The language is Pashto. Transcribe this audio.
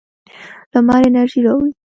لمر انرژي راوړي.